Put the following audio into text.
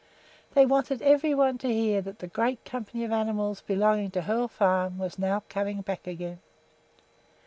They wanted every one to hear that the great company of animals belonging to Hoel Farm was now coming back again.